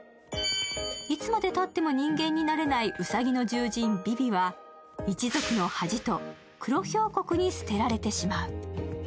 いつまでたっても人間になれないウサギの獣人・ビビは、一族の恥と黒ヒョウ国に捨てられてしまう。